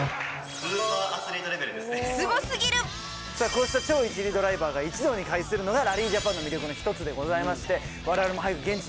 すごすぎる！さあこうした超一流ドライバーが一堂に会するのがラリージャパンの魅力の一つでございまして。